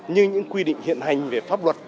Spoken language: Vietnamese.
nhưng những quy định hiện hành về pháp luật